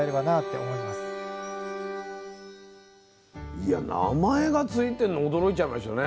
いや名前が付いてんの驚いちゃいましたね。